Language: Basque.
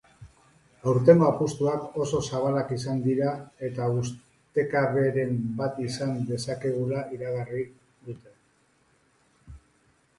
Aurtengo apustuak oso zabalak izan dira eta ustekaberen bat izan dezakegula iragarri dute.